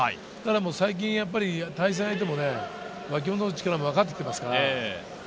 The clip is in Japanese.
最近、対戦相手も脇本の力も分かってきていますから。